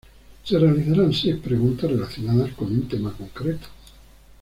Se realizarán seis preguntas relacionadas con un tema concreto.